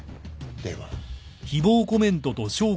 では。